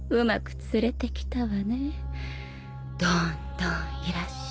どんどんいらっしゃい。